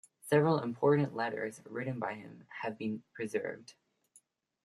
Several important letters written by him have been preserved.